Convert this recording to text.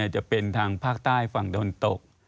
จะเป็นทางภาคใต้ฝั่งตะวันตก